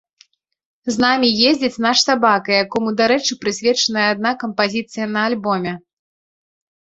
З намі ездзіць наш сабака, якому, дарэчы, прысвечаная адна кампазіцыя на альбоме.